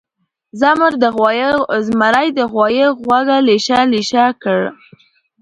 زمر د غوایه غوږه لېشه لېشه کړه.